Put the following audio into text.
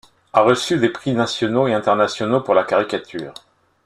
A reçu des prix nationaux et internationaux pour la caricature.